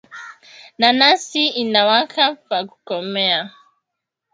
Nanasi inakawaka pa kukomea